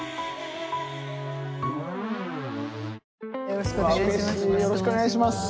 よろしくお願いします。